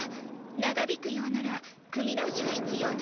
長引くようなら組み直しが必要ね。